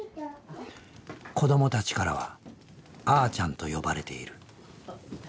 子どもたちからは「あーちゃん」と呼ばれている。